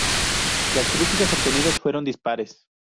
Las críticas obtenidas fueron dispares.